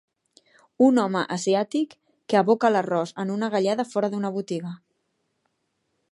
Un home asiàtic que aboca l'arròs en una galleda fora d'una botiga.